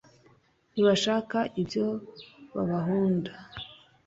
ntibashaka ibyo babahunda